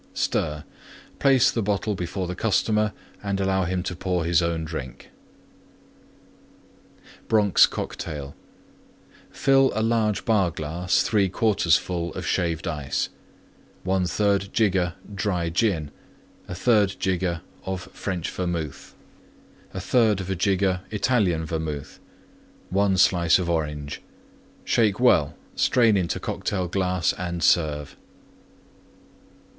Stir; place the bottle before the customer and allow him to pour his own drink. BRONX COCKTAIL Fill large Bar glass 3/4 full Shaved Ice. 1/3 jigger Dry Gin. 1/3 jigger French Vermouth. 1/3 jigger Italian Vermouth. 1 Slice Orange. Shake well; strain into Cocktail glass and serve.